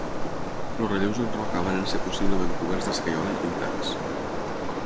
Els relleus en roca varen ser possiblement coberts d'escaiola i pintats.